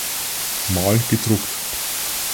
Mahl gedruckt.